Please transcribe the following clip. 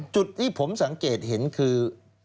จุดที่ผมสังเกตเห็นคือ